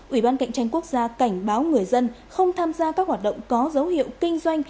ủy ban cạnh tranh quốc gia cảnh báo người dân không tham gia các hoạt động có dấu hiệu kinh doanh